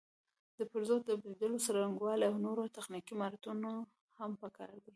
د پرزو د تبدیلولو څرنګوالي او نور تخنیکي مهارتونه هم پکار دي.